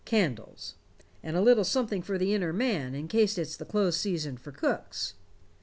Candles. And a little something for the inner man, in case it's the closed season for cooks."